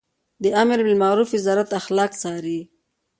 د امربالمعروف وزارت اخلاق څاري